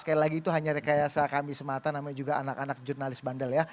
sekali lagi itu hanya rekayasa kami semata namanya juga anak anak jurnalis bandel ya